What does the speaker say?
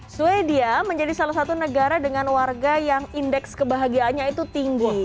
sweden menjadi salah satu negara dengan warga yang indeks kebahagiaannya itu tinggi